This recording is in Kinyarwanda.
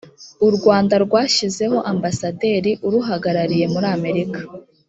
u rwanda rwashyizeho ambasaderi uruhuhagarariye muri amerika